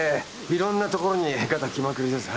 いろんなところにガタきまくりです。